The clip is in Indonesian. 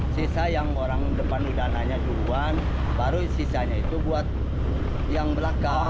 sisa yang orang depan udah nanya duluan baru sisanya itu buat yang belakang